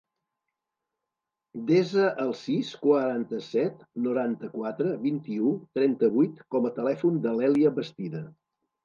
Desa el sis, quaranta-set, noranta-quatre, vint-i-u, trenta-vuit com a telèfon de l'Èlia Bastida.